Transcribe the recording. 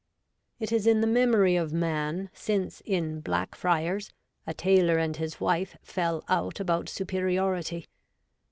' It is in the memory of man, since in Black Fryers a Taylor and his Wife fell out about superiority.